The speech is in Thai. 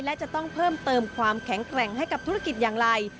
และจะต้องเพิ่มเติมความแข็งแกร่งให้กับธุรกิจอย่างไร